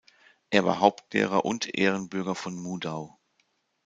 Er war Hauptlehrer und Ehrenbürger von Mudau.